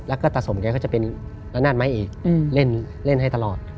แล้วก็ตาสมแกก็จะเป็นละนาดไม้เอกเล่นให้ตลอด